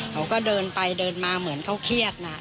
เขาก็เดินไปเดินมาเหมือนเขาเครียดนะ